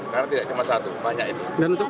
karena tidak cuma satu banyak itu